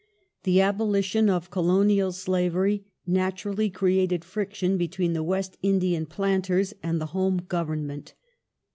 The abolition of Colonial slavery naturally created friction between the West Indian planters and the Home Government.